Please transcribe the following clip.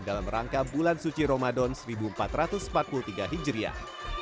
dalam rangka bulan suci ramadan seribu empat ratus empat puluh tiga hijriah